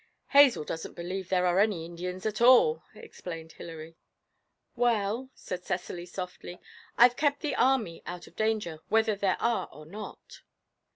'Hazel doesn't believe there are any Indians at all,' explained Hilary. 'Well,' said Cecily, softly, 'I've kept the army out of danger, whether there are or not!'